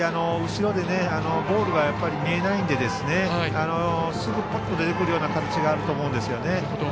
後ろでボールが見えないのですぐぽっと出てくるような感じがあると思うんですね。